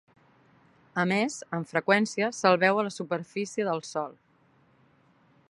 A més amb freqüència se'l veu a la superfície del sòl.